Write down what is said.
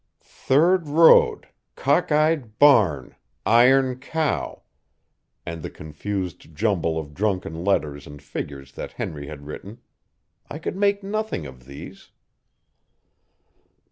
"Third road cockeyed barn iron cow," and the confused jumble of drunken letters and figures that Henry had written I could make nothing of these.